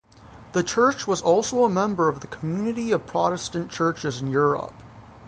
The church was also a member of the Community of Protestant Churches in Europe.